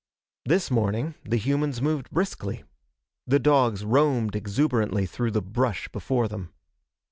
This morning the humans moved briskly. The dogs roamed exuberantly through the brush before them.